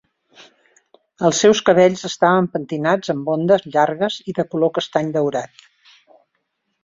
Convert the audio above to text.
El seus cabells estaven pentinats amb ondes llargues i de color castany-daurat.